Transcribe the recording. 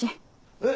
えっ？